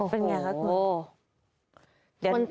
เป็นไงคะคุณ